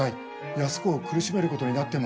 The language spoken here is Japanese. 安子を苦しめることになっても。